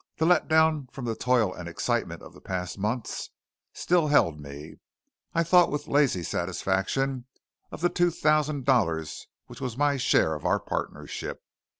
The let down from the toil and excitement of the past months still held me. I thought with lazy satisfaction of the two thousand odd dollars which was my share of our partnership.